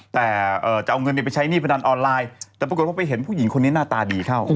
แต่จะเอาเงินไปใช้หนี้พนันออนไลน์แต่ปรากฏว่าไปเห็นผู้หญิงคนนี้หน้าตาดีเข้า